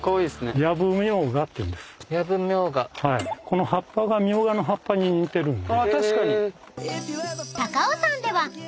この葉っぱがミョウガの葉っぱに似てるんで。